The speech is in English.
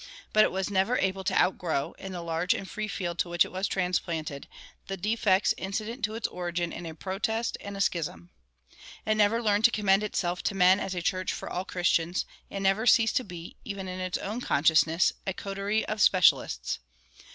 But it was never able to outgrow, in the large and free field to which it was transplanted, the defects incident to its origin in a protest and a schism. It never learned to commend itself to men as a church for all Christians, and never ceased to be, even in its own consciousness, a coterie of specialists.